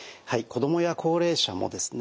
子どもや高齢者もですね